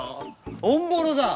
オンボロだ！